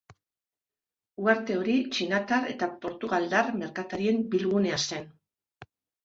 Uharte hori txinatar eta portugaldar merkatarien bilgunea zen.